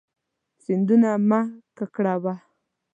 سیندونه مه ککړوه.